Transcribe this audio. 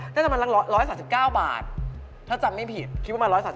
น่าจะประมาณ๑๓๙บาทถ้าจำไม่ผิดคิดว่าประมาณ๑๓๙บาท